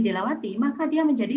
dilawati maka dia menjadi